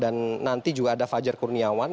dan nanti juga ada fajar kurniawan